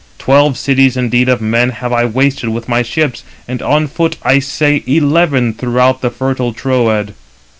Twelve cities indeed of men have I wasted with my ships, and on foot I say eleven throughout the fertile Troad.